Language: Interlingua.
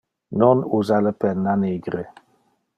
Non usa le penna nigre.